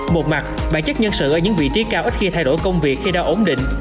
một mặt bản chất nhân sự ở những vị trí cao ít khi thay đổi công việc khi đau ổn định